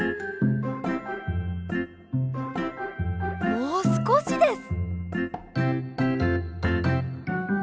もうすこしです。